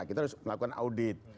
kita harus melakukan audit